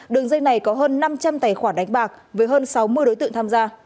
đường dây này có hơn năm trăm linh tài khoản đánh bạc với hơn sáu mươi đối tượng tham gia